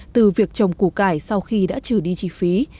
từ việc trồng củ cải sau khi đã trừ đi chi phí